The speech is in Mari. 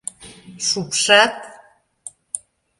Шупшат?